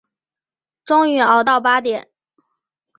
终于熬到八点